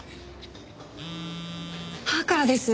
母からです。